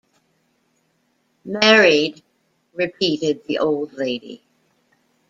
‘Married,’ repeated the old lady.